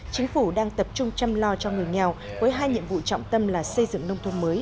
chính phủ đang tập trung chăm lo cho người nghèo với hai nhiệm vụ trọng tâm là xây dựng nông thôn mới